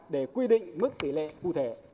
để quy định mức tỷ lệ cụ thể